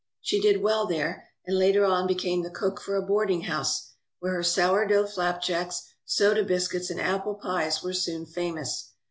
She did well there, and later on became the cook for a boarding house, where her sourdough flapjacks, soda biscuits, and apple pies, were soon famous.